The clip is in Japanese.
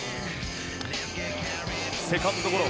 セカンドゴロ。